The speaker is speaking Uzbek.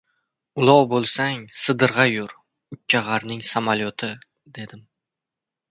Ulov bo‘lsang, sidirg‘a yur, ukkag‘arning samolyoti, dedim.